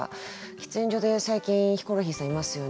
「喫煙所で最近ヒコロヒーさんいますよね。